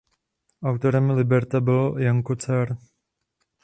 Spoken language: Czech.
Autorem libreta byl Janko Car.